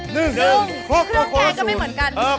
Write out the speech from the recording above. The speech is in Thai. ดึงครกครกครกสุด